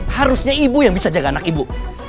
harusnya ibu yang bisa jaga anak ibu